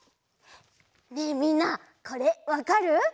ねえみんなこれわかる？